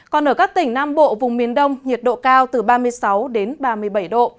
còn ở các tỉnh nam bộ vùng miền đông nhiệt độ cao từ ba mươi sáu đến ba mươi bảy độ